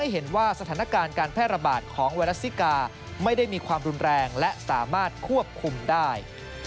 โปรดติดตามตอนต่อไป